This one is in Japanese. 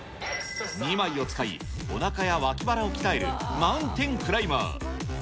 ２枚を使い、おなかや脇腹を鍛えるマウンテンクライマー。